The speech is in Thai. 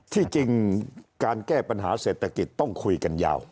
ที่จริงการแก้ปัญหาเศรษฐกิจต้องคุยกันยาว